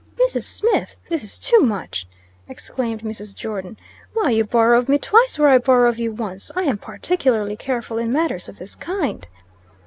"Mrs. Smith, this is too much!" exclaimed Mrs. Jordon. "Why you borrow of me twice where I borrow of you once. I am particularly careful in matters of this kind."